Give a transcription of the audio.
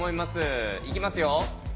いきますよ！